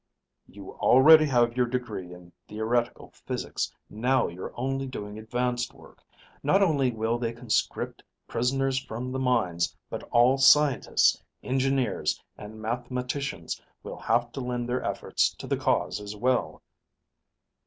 "You already have your degree in theoretical physics. Now you're only doing advanced work. Not only will they conscript prisoners from the mines, but all scientists, engineers, and mathematicians will have to lend their efforts to the cause as well."